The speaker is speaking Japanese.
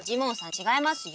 違いますよ。